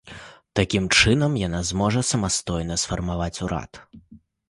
Такім чынам, яна зможа самастойна сфармаваць урад.